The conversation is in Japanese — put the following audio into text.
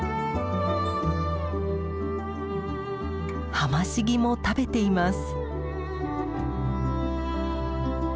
ハマシギも食べています。